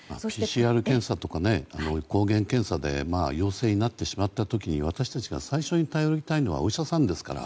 ＰＣＲ検査とか抗原検査で陽性になってしまった時に私たちが最初に頼りたいのはお医者さんですから。